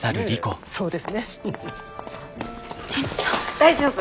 大丈夫。